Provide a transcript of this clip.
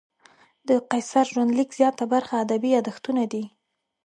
د قیصر ژوندلیک زیاته برخه ادبي یادښتونه دي.